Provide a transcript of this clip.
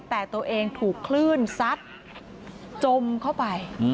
แต่ตัวเองถูกคลื่นซัดจมเข้าไป